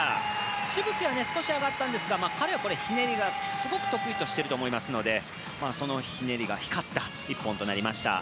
しぶきは少し上がったんですが彼はひねりをすごく得意としていると思いますのでそのひねりが光った１本となりました。